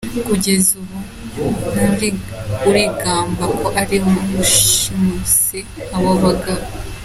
Kugeza ubu ntawe urigamba ko ari we washimuse abo bagabo.